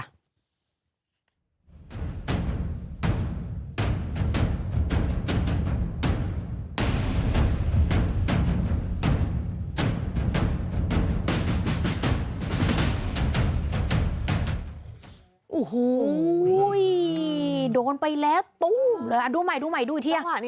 อ่าวเดินไปแล้วดูใหม่ดูอีกที